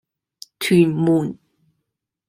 屯門